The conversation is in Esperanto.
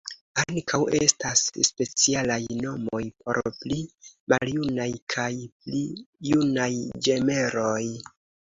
Ankaŭ estas specialaj nomoj por pli maljunaj kaj pli junaj ĝemeloj.